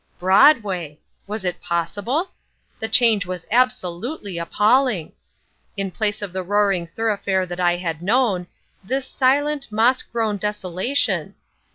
Broadway! Was it possible? The change was absolutely appalling! In place of the roaring thoroughfare that I had known, this silent, moss grown desolation.